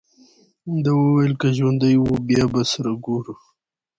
ده وویل: که ژوندي وو، بیا به سره ګورو.